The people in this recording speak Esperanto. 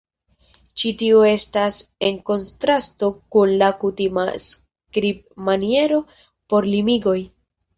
Ĉi tiu estas en kontrasto kun la kutima skribmaniero por limigoj.